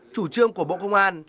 chủ trương của bộ công an